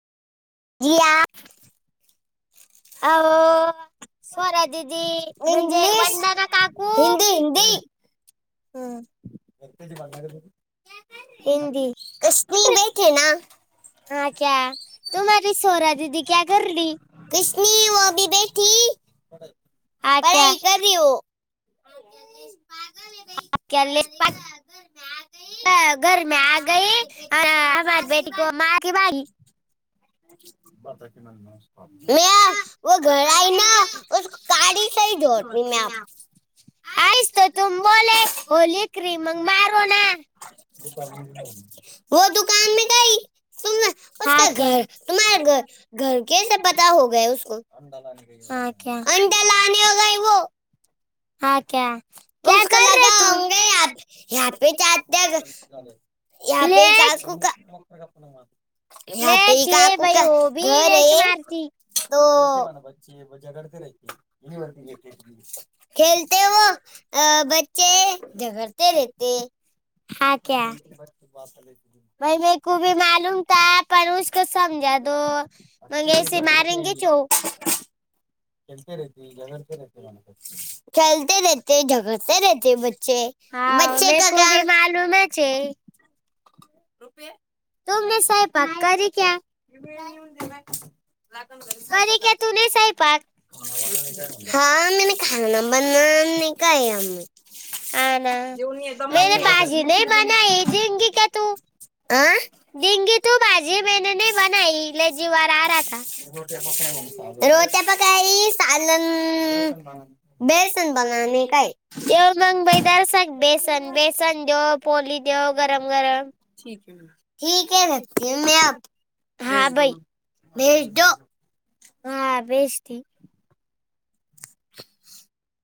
याया [unintelligible] अ स्वरा दिदी म्हणजे इंग्लिश वंदना काकू हिंदी हम्म. नरतज बण हिंदी. अस्नी बटे ना. हा क्या. कर रही कृष्नी व अभी बठी. आ क्या पळय घरी हो, पागल हाय का ही. क्या ले हमारे पा- का घरमे आतय. घर मे आई [unintelligible] गयम बेटी को म बाी म व घर आ ना [unintelligible] गडी सही झोट म [unintelligible] आऐस तो तुम बोले होली क र्रीमंग मारो ना [unintelligible] ते [unintelligible] क तू काय काई [unintelligible] तुम [unintelligible] का घर तुम्हाारे घर घर कसे पता हो गको [unintelligible] ह ओके [unintelligible] क्या को कर लग रहे तुम हगे य पे चते [unintelligible] य पे लेच काकू का [unintelligible] आता लेच ये काकू भाई वो भी घर लेच आहे मारती तो [unintelligible] मजा घडते राये यनिवर्ती घ [unintelligible] खेलते व अ बच्चे झगडते रहते [unintelligible] हा क्या [unintelligible] त वा [unintelligible] वई मेकूी मालूम त पणसक समजा दो [unintelligible] मग से मारेंगे चो [inaudible] खते रहती जगते रहते म [unintelligible] खेलते रहते झगडते रहते बच्चे हाँ बच्चे मेरे का को का भी मालूम है छे [unintelligible] रुपये [unintelligible] तुमे साहे पक्कर क्या ह आहे म्हणते ला करी क्या तूने स्वयंपाक हा मन का बण काय आम्ही हाँ ना जेऊन. मैंने भाजी नहीं बनाई देंगी क्या तू [unintelligible] देंगी तू भाजी मैंने नहीं बनाई ले जीवार आ रहा था रोत पकाळी सालन बेसन बघ [unintelligible] का जव मगबाई दर्शक बेसन बेसन जव पोली [unintelligible] देव गरम गरम ठीक है रखती हूँ मैं अब हा बाई भेज दो [unintelligible] हा बेस ठी [unintelligible]